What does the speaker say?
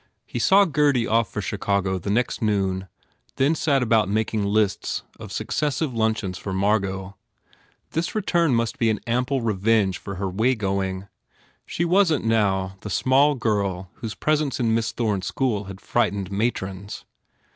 He saw Gurdy off for Chicago, the next noon, 150 GURDY then set about making lists of successive luncheons for M argot. This return must be an ample re venge for her waygoing. She wasn t, now, the small girl whose presence in Miss Thome s school had frightened matrons.